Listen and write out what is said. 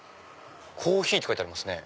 コーヒーって書いてありますね。